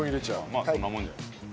まあそんなもんじゃない？